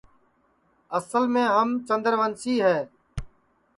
اصل میں ہم چندروسی ہے